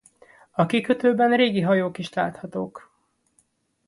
A kikötőben régi hajók is láthatók.